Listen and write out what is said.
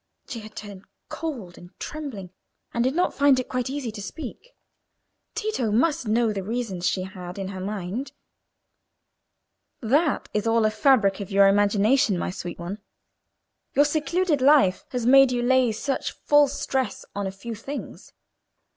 She had turned cold and trembling, and did not find it quite easy to speak. Tito must know the reasons she had in her mind. "That is all a fabric of your own imagination, my sweet one. Your secluded life has made you lay such false stress on a few things.